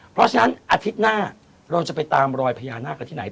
เพราะฉะนั้นอาทิตย์หน้าเราจะไปตามรอยพญานาคกันที่ไหน